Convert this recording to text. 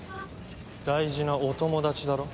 大事な「お友達」だろ？